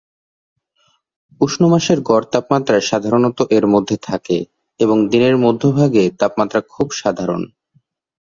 উষ্ণ-মাসের গড় তাপমাত্রা সাধারণত এর মধ্যে থাকে, এবং দিনের মধ্যভাগে তাপমাত্রা খুব সাধারণ।